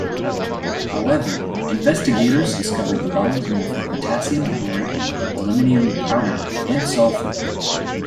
However, investigators discovered the bomb was made from potassium chlorate, aluminium powder, and sulfur.